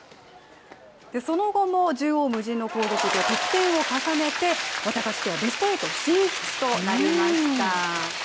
その後も縦横無尽の攻撃で、得点を重ねてワタガシペア、ベスト８進出となりました。